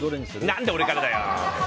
何で俺からだよ！